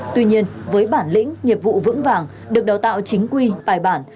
tuy nhiên với bản lĩnh nghiệp vụ vững vàng được đào tạo chính quy bài bản